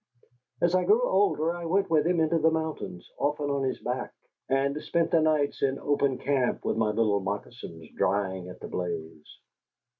As I grew older I went with him into the mountains, often on his back; and spent the nights in open camp with my little moccasins drying at the blaze.